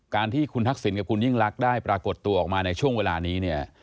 ที่คุณทักษิณกับคุณยิ่งลักษณ์ได้ปรากฏตัวออกมาในช่วงเวลานี้เนี่ย